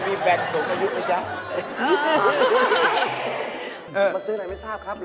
มาซื้อไหนไม่ทราบครับ